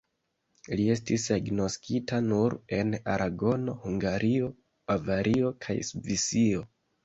Li estis agnoskita nur en Aragono, Hungario, Bavario kaj Svisio.